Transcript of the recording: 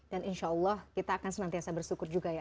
dan insya allah kita akan senantiasa bersyukur juga ya